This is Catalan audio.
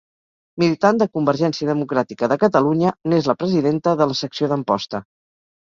Militant de Convergència Democràtica de Catalunya, n'és la presidenta de la secció d'Amposta.